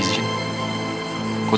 khusus untuk ketemu kamu